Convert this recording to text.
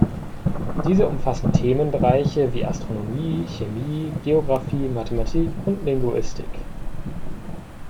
Diese umfassen Themenbereiche wie Astronomie, Chemie, Geographie, Mathematik und Linguistik.